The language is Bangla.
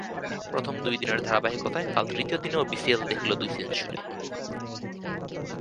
প্রথম দুই দিনের ধারাবাহিকতায় কাল তৃতীয় দিনেও বিসিএল দেখল দুই সেঞ্চুরি।